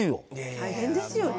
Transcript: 大変ですよね。